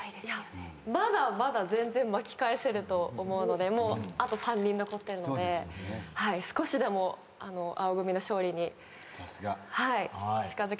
まだまだ全然巻き返せると思うのでもうあと３人残ってるので少しでも青組の勝利に近づけたいと思います。